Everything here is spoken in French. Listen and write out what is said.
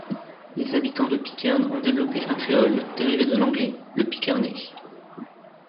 Les habitants de Pitcairn ont développé un créole dérivé de l'anglais, le pitcairnais.